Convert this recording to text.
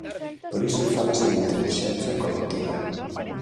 Por iso fálase de intelixencia colectiva.